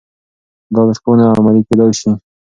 دا لارښوونه عملي کېدای شي.